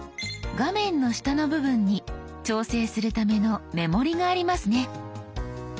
画面の下の部分に調整するための目盛りがありますね。